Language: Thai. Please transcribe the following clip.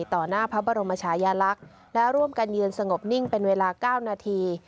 หน้าพระบรมชายลักษณ์และร่วมกันยืนสงบนิ่งเป็นเวลา๙นาที